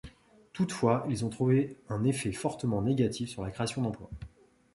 Toutefois, ils ont trouvé une effet fortement négatif sur la création d'emploi.